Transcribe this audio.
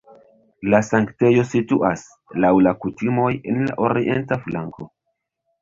La sanktejo situas (laŭ la kutimoj) en la orienta flanko.